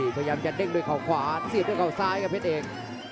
พยายามจะเด้งด้วยเขาขวาเสียบด้วยเขาซ้ายกับเพชรเอก